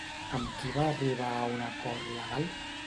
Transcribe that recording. Amb qui va arribar a un acord legal?